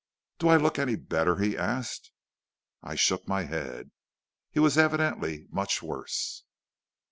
"'Do I look any better?' he asked. "I shook my head. He was evidently much worse.